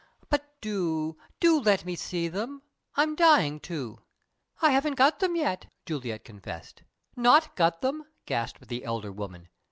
But do, do let me see them. I'm dying to!" "I haven't got them yet," Juliet confessed. "Not got them?" gasped the elder woman.